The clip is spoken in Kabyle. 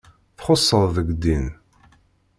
Txusseḍ deg ddin.